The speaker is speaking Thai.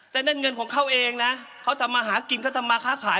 แต่นั่นเงินของเขาเองนะเขาทำมาหากินเขาทำมาค้าขาย